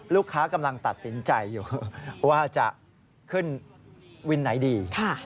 ลูกค้ากำลังตัดสินใจว่าจะขึ้นวินไหนดี